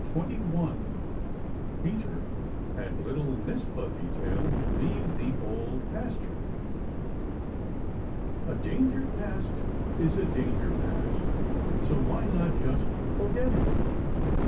CHAPTER XXI PETER AND LITTLE MISS FUZZYTAIL LEAVE THE OLD PASTURE A danger past is a danger past, So why not just forget it?